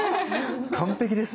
完璧です。